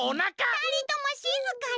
ふたりともしずかに！